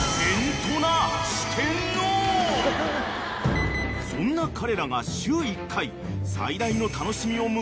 ［そんな彼らが週１回最大の楽しみを迎える］